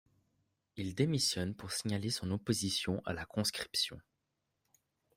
Il démissionne pour signaler son opposition à la conscription.